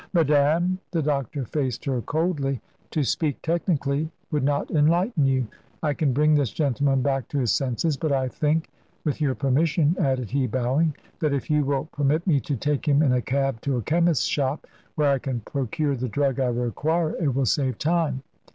"Madame" the doctor faced her coldly "to speak technically would not enlighten you. I can bring this gentleman back to his senses; but I think with your permission," added he, bowing, "that if you will permit me to take him in a cab to a chemist's shop where I can procure the drug I require, it will save time.